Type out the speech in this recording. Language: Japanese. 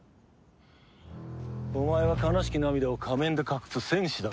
お前は悲しき涙を仮面で隠す戦士だろ